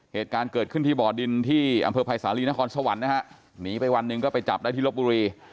เหตุการณ์เกิดขึ้นที่บ่อดินที่อำเภอภัยสาลีนครสวรรค์นะฮะหนีไปวันหนึ่งก็ไปจับได้ที่ลบบุรี